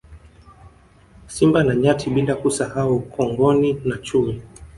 Simba na Nyati bila kusahau Kongoni na Chui